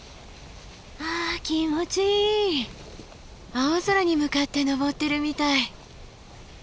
青空に向かって登ってるみたい。